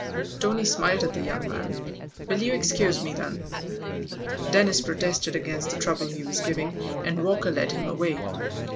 Tony smiled at the young man. "Will you excuse me then ?" Dennis protested against the trouble he was giving, and Walker led him away.